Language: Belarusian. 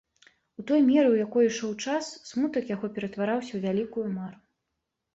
У той меры, у якой ішоў час, смутак яго ператвараўся ў вялікую мару.